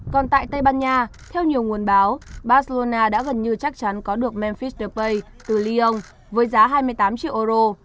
còn tại tây ban nha theo nhiều nguồn báo barcelona đã gần như chắc chắn có được memphistepay từ lyon với giá hai mươi tám triệu euro